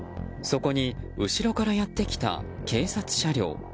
そこに後ろからやってきた警察車両。